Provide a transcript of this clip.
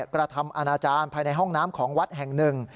กระทำอาณาจารย์ภายในห้องน้ำของวัดแห่งหนึ่ง